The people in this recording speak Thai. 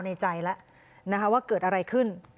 ไม่รู้เหมือนกันว่าคนไหนร้อง